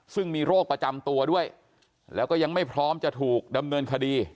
ซึ่งมีโรคประจำตัวด้วยแล้วก็ยังไม่พร้อมจะถูกดำเนินคดี